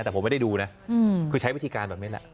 แต่ผมไม่ได้ดูนะคือใช้วิธีการแบบนี้แหละ